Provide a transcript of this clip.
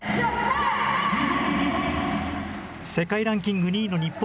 世界ランキング２位の日本。